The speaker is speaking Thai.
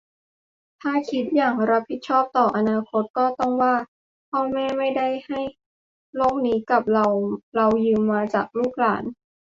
ถ้าคิดอย่างรับผิดชอบต่ออนาคตก็ต้องว่า 'พ่อแม่ไม่ได้ให้โลกนี้กับเรา เรายืมมาจากลูกหลาน'